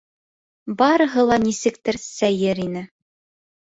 Барыһы ла нисектер сәйер ине.